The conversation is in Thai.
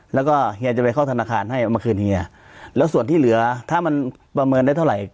แล้วก็เฮียจะไปเข้าธนาคารให้เอามาคืนเฮียแล้วส่วนที่เหลือถ้ามันประเมินได้เท่าไหร่